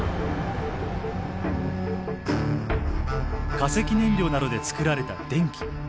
化石燃料などで作られた電気。